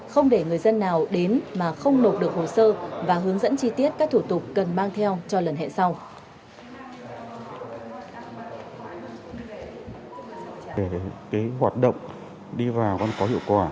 không để người dân nào đến mà không nộp được hồ sơ và hướng dẫn chi tiết các thủ tục cần mang theo cho lần hẹn sau